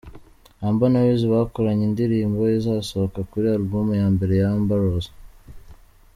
Amber na Wiz bakoranye indirimbo, izasohoka kuri album ya mbere ya Amber Rose.